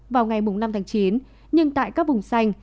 vào ngày năm chín nhưng tại các vùng xanh